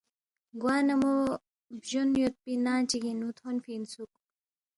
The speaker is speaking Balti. گوانہ مو بجون یودپی ننگ چِگِنگ تھونفی اِنسُوک